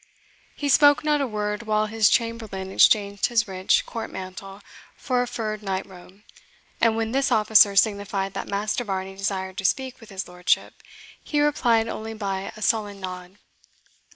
He spoke not a word while his chamberlain exchanged his rich court mantle for a furred night robe, and when this officer signified that Master Varney desired to speak with his lordship, he replied only by a sullen nod.